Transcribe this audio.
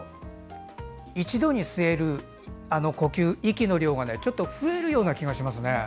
一度に吸える息の量がちょっと増えるような気がしますね。